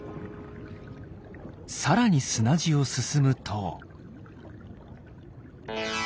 さらに砂地を進むと。